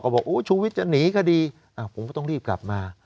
ก็บอกชีวิตจะหนีก็ดีผมก็ต้องรีบกลับมา